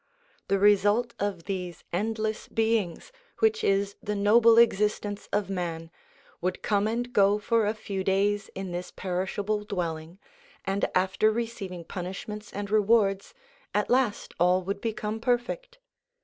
The result of these endless beings, which is the noble existence of man, would come and go for a few days in this perishable dwelling, and after receiving punishments and rewards, at last all would become perfect.